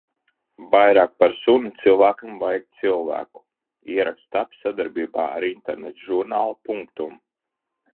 Vairāk par suni cilvēkam vajag cilvēku. Ieraksts tapis sadarbībā ar interneta žurnālu Punctum